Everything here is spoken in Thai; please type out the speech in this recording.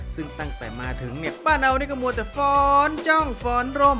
ซึ่งตั้งแต่มาถึงเนี่ยป้าเนานี่ก็มัวแต่ฟ้อนจ้องฟ้อนร่ม